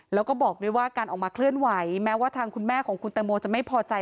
แล้วก็บอกด้วยว่าการออกมาเคลื่อนไหวแม้ว่าทางคุณแม่ของคุณตังโมจะไม่พอใจ